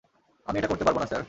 আমি এটা করতে পারব না, স্যার।